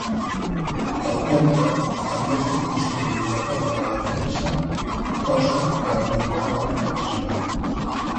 El comte havia fet construir una torre de defensa, cosa que amoïnava l'arquebisbe.